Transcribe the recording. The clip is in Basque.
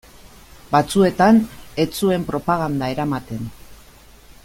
Batzuetan ez zuen propaganda eramaten.